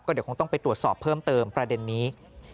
เดี๋ยวคงต้องไปตรวจสอบเพิ่มเติมประเด็นนี้